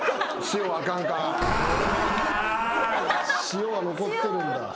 塩は残ってるんだ。